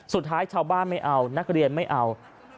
สุดท้ายชาวบ้านไม่เอานักเรียนไม่เอา